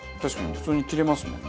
普通に切れますもんね。